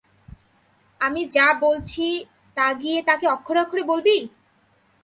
আমি যা বলছি, তা গিয়ে তাকে অক্ষরে অক্ষরে বলবি?